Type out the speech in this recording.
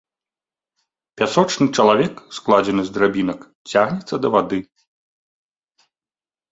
Пясочны чалавек, складзены з драбінак, цягнецца да вады.